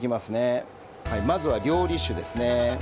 まずは料理酒ですね。